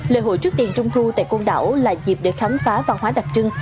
lễ hội trước đèn trung thu tại côn đảo là dịp để khám phá văn hóa đặc trưng